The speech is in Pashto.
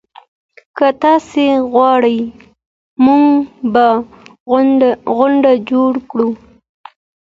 که تاسي وغواړئ موږ به غونډه جوړه کړو.